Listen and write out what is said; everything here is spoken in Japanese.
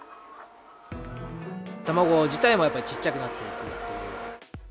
卵自体もやっぱりちっちゃくなっていくという。